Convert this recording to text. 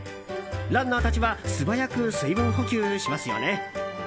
ランナーたちは素早く水分補給しますよね。